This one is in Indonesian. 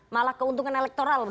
malah keuntungan elektoral